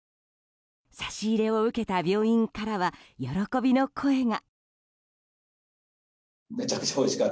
差し入れを受けた病院からは喜びの声が。